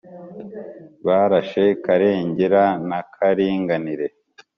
Barashe Karengera na Karinganire